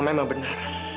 ma memang benar